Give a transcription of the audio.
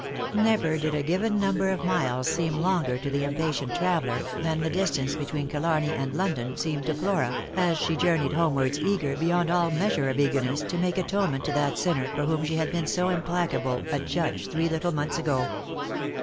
Never did a given number of miles seem longer to the impatient traveller than the distance between Killarney and London seemed to Flora, as she journeyed homewards, eager, beyond all measure of eagerness, to make atonement to that sinner for whom she had been so implacable a judge three little months ago.